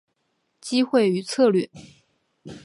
机会与策略